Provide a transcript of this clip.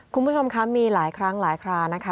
คุณผู้ชมคะมีหลายครั้งหลายครานะคะ